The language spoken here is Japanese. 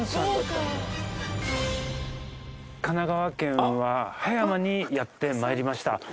神奈川県は葉山にやってまいりました。